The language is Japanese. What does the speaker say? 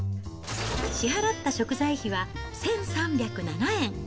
支払った食材費は１３０７円。